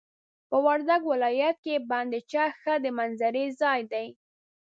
په وردګ ولايت کي بند چک ښه د منظرې ځاي دي.